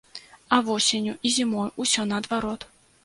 А восенню і зімой усё наадварот.